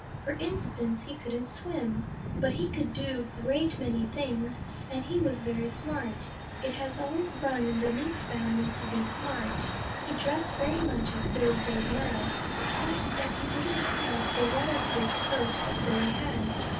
For instance, he couldn't swim. But he could do a great many things, and he was very smart. It has always run in the Mink family to be smart. He dressed very much as Billy does now, except that he didn't have the waterproof coat that Billy has.